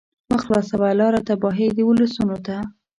مه خلاصوه لاره تباهۍ د ولسونو ته